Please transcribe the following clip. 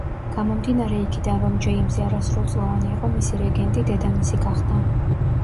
გამომდინარე იქიდან, რომ ჯეიმზი არასრულწლოვანი იყო, მისი რეგენტი დედამისი გახდა.